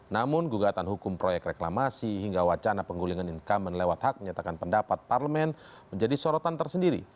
namun gugatan hukum proyek reklamasi hingga wacana penggulingan incumbent lewat hak menyatakan pendapat parlemen menjadi sorotan tersendiri